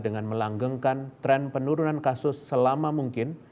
dengan melanggengkan tren penurunan kasus selama mungkin